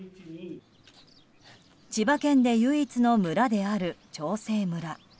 千葉県で唯一の村である長生村。